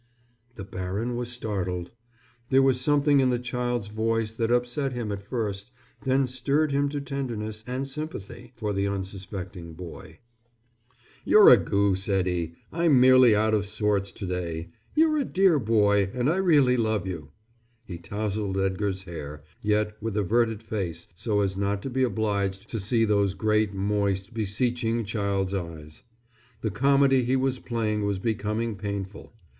The baron was startled. There was something in the child's voice that upset him at first, then stirred him to tenderness and sympathy for the unsuspecting boy. "You're a goose, Eddie. I'm merely out of sorts to day. You're a dear boy, and I really love you." He tousled Edgar's hair, yet with averted face so as not to be obliged to see those great moist, beseeching child's eyes. The comedy he was playing was becoming painful.